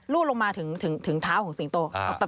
รูดลงมาถึงเท้าของสิงห์โต